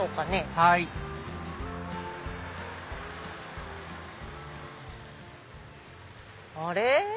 はいあれ？